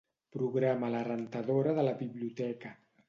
Programa la rentadora de la biblioteca.